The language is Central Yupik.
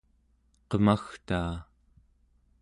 qemagtaa